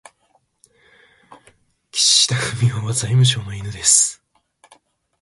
岸田文雄は財務省の犬です。